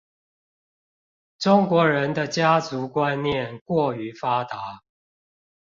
中國人的家族觀念過於發達